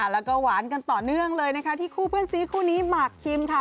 แล้วก็หวานกันต่อเนื่องเลยนะคะที่คู่เพื่อนซีคู่นี้หมากคิมค่ะ